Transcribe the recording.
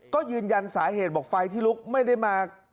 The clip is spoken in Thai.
ก็ยืนยันสาเหตุบอกไฟที่ลุกไม่ได้มา